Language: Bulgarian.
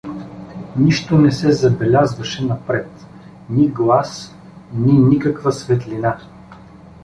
Нищо не се забелязваше напред, ни глас, ни никаква светлина.